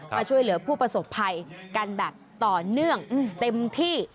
มาช่วยเหลือผู้ประสบภัยกันแบบต่อเนื่องเต็มที่